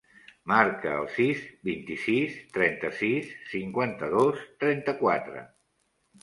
Marca el sis, vint-i-sis, trenta-sis, cinquanta-dos, trenta-quatre.